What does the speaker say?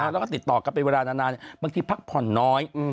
ก็ติดต่อกับไปไม่รานานบางทีพักผ่อนน้อย